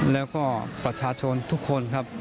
แล้วก็ประชาชนทุกคนครับ